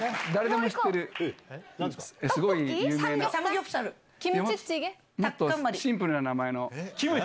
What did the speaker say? もっとシンプルな名前の。